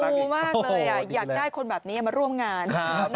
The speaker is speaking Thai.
ูมากเลยอยากได้คนแบบนี้มาร่วมงาน